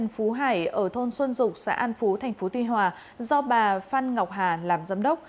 phú hải ở thôn xuân dục xã an phú tp tuy hòa do bà phan ngọc hà làm giám đốc